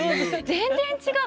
全然違う。